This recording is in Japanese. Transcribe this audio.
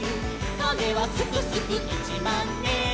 「かめはすくすくいちまんねん！」